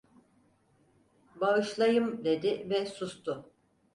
Bağışlayım, dedi ve sustu.